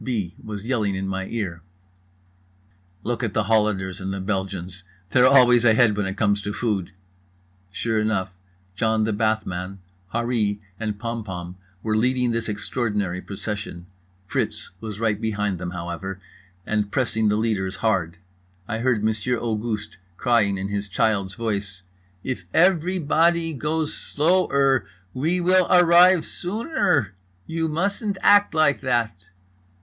B. was yelling in my ear: "Look at the Hollanders and the Belgians! They're always ahead when it comes to food!" Sure enough: John the Bathman, Harree and Pompom were leading this extraordinary procession. Fritz was right behind them, however, and pressing the leaders hard. I heard Monsieur Auguste crying in his child's voice: "If every body goes slow er we will ar rive soon er. You mustn't act like that!"